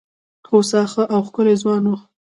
هوسا ښه او ښکلی ځوان وو.